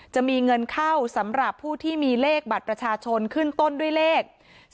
จะมีเงินเข้าสำหรับผู้ที่มีเลขบัตรประชาชนขึ้นต้นด้วยเลข๔